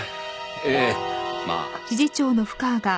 ええまあ。